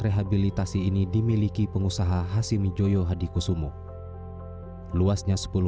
berkali kali upaya penghalauan selalu gagal